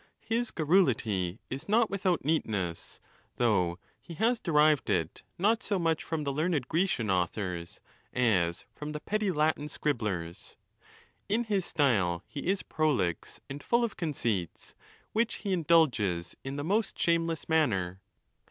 His garrulity is not without neatness, though he has derived it not so much from the learned Grecian authors, as from the petty Latin scrib — blers. In his style he is prolix, and full of conceits, which he indulges in the most shameless manner.